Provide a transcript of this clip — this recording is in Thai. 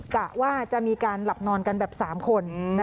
กะว่าจะมีการหลับนอนกันแบบ๓คน